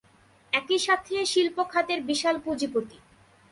একইসাথে শিল্পখাতের বিশাল পুঁজিপতি।